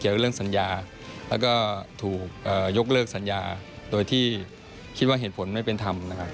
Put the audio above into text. เรื่องสัญญาแล้วก็ถูกยกเลิกสัญญาโดยที่คิดว่าเหตุผลไม่เป็นธรรมนะครับ